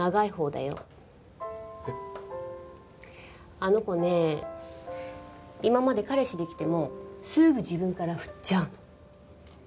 あの子ね今まで彼氏できてもすぐ自分からフッちゃうの。